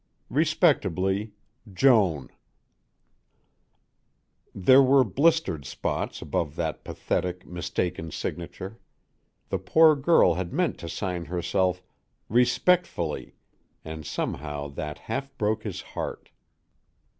Respectably JOAN There were blistered spots above that pathetic, mistaken signature. The poor girl had meant to sign herself "Respectfully," and somehow that half broke his heart.